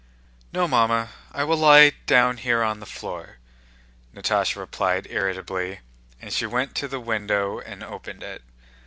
"No, Mamma, I will lie down here on the floor," Natásha replied irritably and she went to the window and opened it.